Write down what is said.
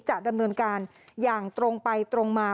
จะดำเนินการอย่างตรงไปตรงมา